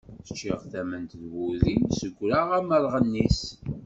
Ččiɣ tament d wudi, ssegreɣ amerɣennis.